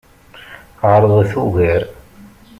Ɛeṛḍet ugar.